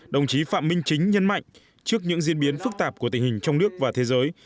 đồng chí phạm minh chính nhân mạnh trước những diễn biến phức tạp của tình hình trong nước và thế giới